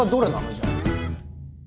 じゃあ。